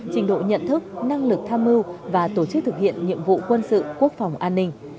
trình độ nhận thức năng lực tham mưu và tổ chức thực hiện nhiệm vụ quân sự quốc phòng an ninh